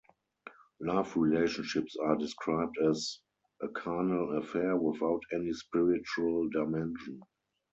Love relationships are described as a carnal affair, without any spiritual dimension.